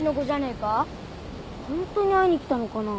ホントに会いに来たのかな？